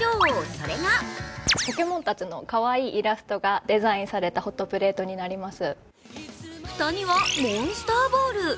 それが蓋にはモンスターボール。